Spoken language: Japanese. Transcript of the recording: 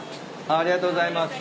ありがとうございます。